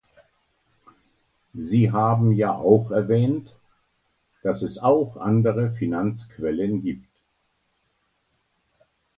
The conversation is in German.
Sie haben ja auch erwähnt, dass es auch andere Finanzquellen gibt.